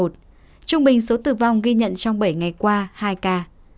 trung bình số tử vong ghi nhận trong bảy ngày qua hai ca